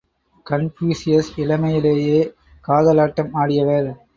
Confucius இளமையிலேயே காதலாட்டம் ஆடியவர்.